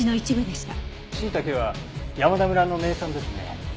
しいたけは山田村の名産ですね。